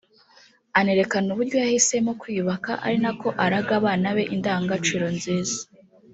anerakana uburyo yahisemo kwiyubaka ari nako araga abana be indangagaciro nziza